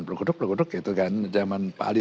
berkuduk berkuduk gitu kan zaman pak ali